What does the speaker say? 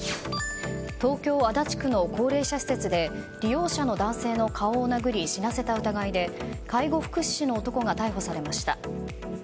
東京・足立区の高齢者施設で利用者の男性の顔を殴り死なせた疑いで介護福祉士の男が逮捕されました。